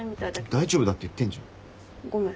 大丈夫だって言ってんじゃん。ごめん。